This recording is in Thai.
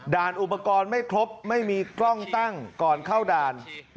อุปกรณ์ไม่ครบไม่มีกล้องตั้งก่อนเข้าด่าน